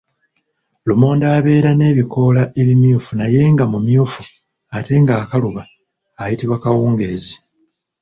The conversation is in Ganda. Lumonde abeera n’ebikoola ebimyufu naye nga mumyufu ate ng’akaluba ayitibwa kawungeezi.